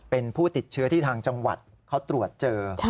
เป็นผู้ติดเชื้อที่ทางจังหวัดเขาตรวจเจอ